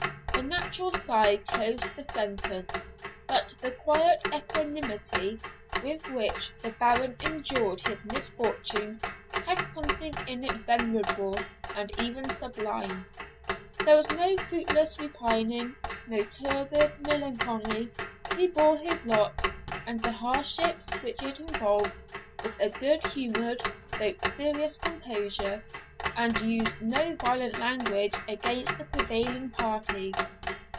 A natural sigh closed the sentence; but the quiet equanimity with which the Baron endured his misfortunes had something in it venerable and even sublime. There was no fruitless repining, no turbid melancholy; he bore his lot, and the hardships which it involved, with a good humored, though serious composure, and used no violent language against the prevailing party.